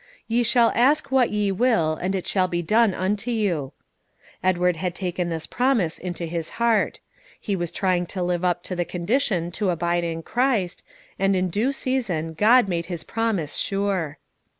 "Ye shall ask what ye will, and it shall be done unto you." Edward had taken this promise into his heart; he was trying to live up to the condition to abide in Christ, and in due season God made His promise sure.